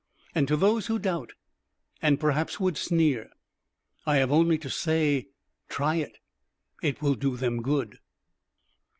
And to those who doubt, and perhaps would sneer, I have only to say try it. It will do them good.